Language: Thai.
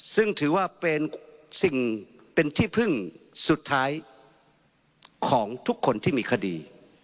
ซึ่งถือว่าเป็นสิ่งเป็นที่พึ่งสุดท้ายของทุกคนที่มีคดี